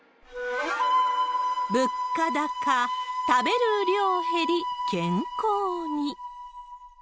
物価高、食べる量減り、健康に。